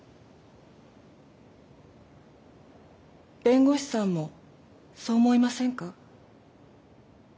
弁護士さんもそう思いませんか？